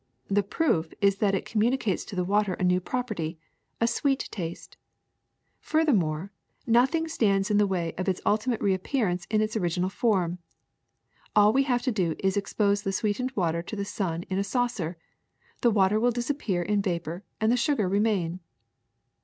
The proof is that it communicates to the water a new property, a sweet taste. Furthermore, nothing stands in the way of its ultimate reappearance in its original form. All we have to do is to expose the sweetened water to the sun in a saucer; the water will disappear in vapor and the sugar remain.